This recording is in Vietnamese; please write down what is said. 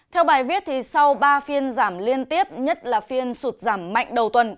theo bài viết sau ba phiên giảm liên tiếp nhất là phiên sụt giảm mạnh đầu tuần